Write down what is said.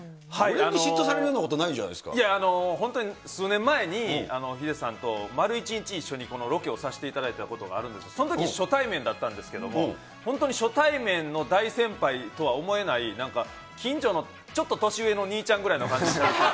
俺に嫉妬されるようなことないや、本当に数年前にヒデさんと丸１日ロケをさせていただいたことがあるんですけど、そのとき初対面だったんですけれども、本当に初対面の大先輩とは思えないなんか近所のちょっと年上の兄ちゃんぐらいの感じで。